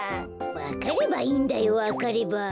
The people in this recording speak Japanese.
わかればいいんだよわかれば。